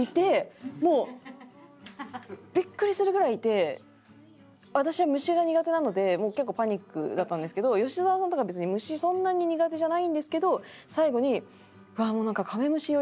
もうビックリするぐらいいて私は虫が苦手なので結構パニックだったんですけど吉沢さんとか別に虫そんなに苦手じゃないんですけど最後に「うわっもうなんかカメムシ酔いしそうだわ」